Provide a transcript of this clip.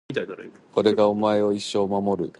俺がお前を一生守ってやるよ